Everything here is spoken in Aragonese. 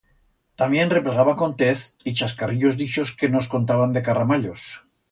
Tamién replegaba contez y chascarrillos d'ixos que nos contaban de carramallos.